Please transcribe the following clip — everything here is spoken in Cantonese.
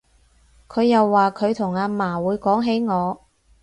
佢又話佢同阿嫲會講起我